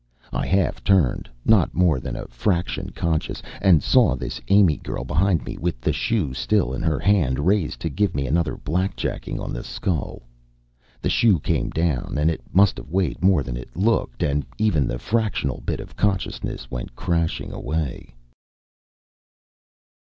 I half turned, not more than a fraction conscious, and I saw this Amy girl, behind me, with the shoe still in her hand, raised to give me another blackjacking on the skull. The shoe came down, and it must have weighed more than it looked, and even the fractional bit of consciousness went crashing away.